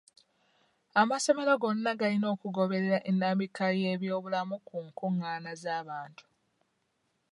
Amasomero gonna galina okugoberera ennambika y'ebyobulamu ku nkungaana z'abantu.